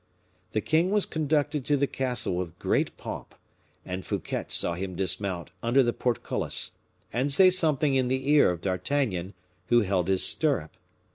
The king was conducted to the castle with great pomp, and Fouquet saw him dismount under the portcullis, and say something in the ear of D'Artagnan, who held his stirrup.